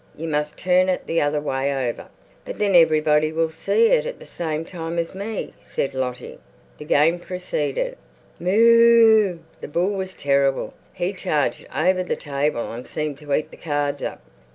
You must turn it the other way over." "But then everybody will see it the same time as me," said Lottie. The game proceeded. Mooe ooo er! The bull was terrible. He charged over the table and seemed to eat the cards up.